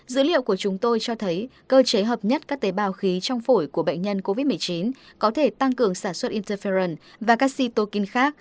dữ liệu của chúng tôi cho thấy cơ chế hợp nhất các tế bào khí trong phổi của bệnh nhân covid một mươi chín có thể tăng cường sản xuất interfiel và casitokin khác